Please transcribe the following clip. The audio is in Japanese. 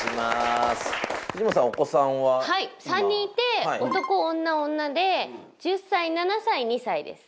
３人いて男女女で１０歳７歳２歳です。